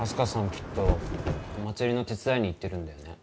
きっとお祭りの手伝いに行ってるんだよね